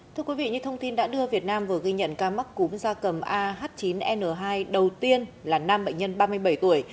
thưa quý vị như thông tin đã đưa việt nam vừa ghi nhận ca mắc cúm da cầm ah chín n hai đầu tiên là nam bệnh nhân ba mươi bảy tuổi